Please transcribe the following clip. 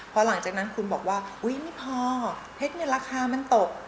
พอหลังจากนั้นคุณบอกว่าอุ๊ยไม่พอเพชรเนี่ยราคามันตก